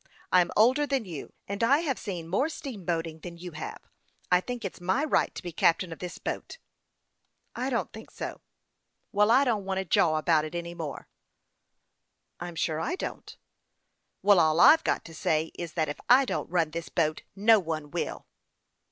I'm older than you, and I have seen more steam boatiug than you have. I think it's my right to be captain of this boat." " I don't think so." " I don't want to jaw any more about it." " I'm sure I don't." " All I've got to say is, that if I don't run this boat no one will."